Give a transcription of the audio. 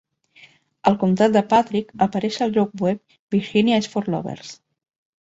El comtat de Patrick apareix al lloc web Virginia is For Lovers.